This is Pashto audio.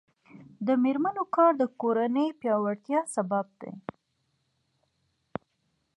د میرمنو کار د کورنۍ پیاوړتیا سبب دی.